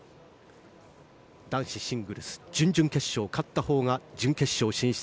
男子シングルス準々決勝勝ったほうが準決勝進出。